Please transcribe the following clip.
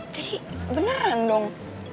jadi beneran dong